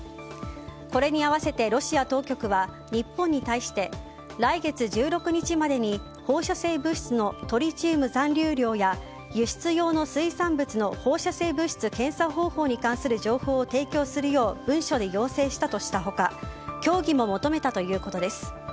これに合わせてロシア当局は日本に対して来月１６日までに放射性物質のトリチウム残留量や輸出用の残留物の放射性物質検査方法に関する情報を提供するよう文書で要請したという他協議も求めたということです。